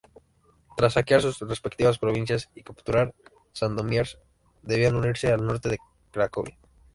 Tras saquear sus respectivas provincias y capturar Sandomierz, debían unirse al norte de Cracovia.